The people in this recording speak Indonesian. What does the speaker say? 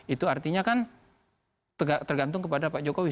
itu artinya kan tergantung kepada pak jokowi